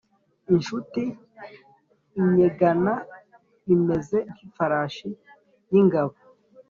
Incuti innyegana imeze nk’ifarasi y’ingabo